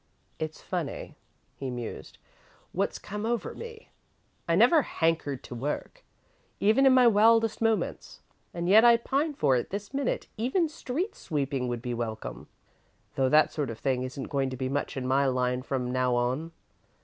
"It's funny," he mused, "what's come over me. I never hankered to work, even in my wildest moments, and yet I pine for it this minute even street sweeping would be welcome, though that sort of thing isn't going to be much in my line from now on.